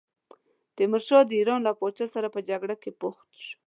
تیمورشاه د ایران له پاچا سره په جګړه بوخت شو.